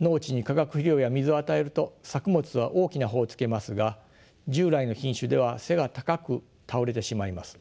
農地に化学肥料や水を与えると作物は大きな穂をつけますが従来の品種では背が高く倒れてしまいます。